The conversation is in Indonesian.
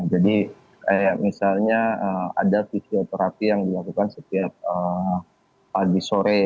jadi kayak misalnya ada fisioterapi yang dilakukan setiap pagi sore